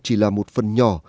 chỉ là một phần nhỏ